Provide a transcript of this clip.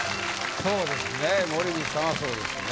そうですね森口さんはそうですね。